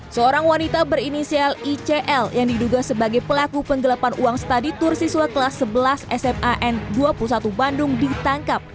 seorang wanita berinisial icl yang diduga sebagai pelaku penggelapan uang study tour siswa kelas sebelas sman dua puluh satu bandung ditangkap